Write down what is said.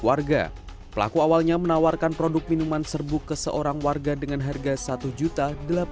warga pelaku awalnya menawarkan produk minuman serbu ke seorang warga dengan harga satu juta